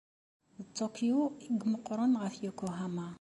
D Tokyo i imeqqren ɣef Yokohama.